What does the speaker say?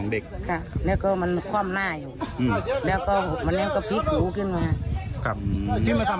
ตะแปงแบบว่าเป็นอะไรเหมือนดูบ้านกาล